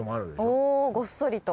おごっそりと。